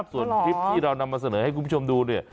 ส่วนคลิปที่เรานำมาเสนอให้คุณผู้ชมดูเนี่ย